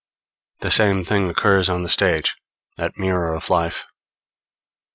The same thing occurs on the stage that mirror of life.